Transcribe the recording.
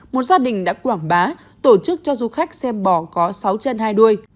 một gia đình đã quảng bá tổ chức cho du khách xem bò có sáu chân hai đuôi